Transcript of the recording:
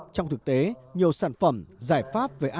trong thực tế nhiều sản phẩm giải pháp về an